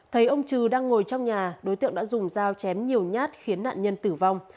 thấy ông trừ đang ngồi trong nhà đối tượng đã dùng dao chém nhiều nhát khiến nạn nhân tử vong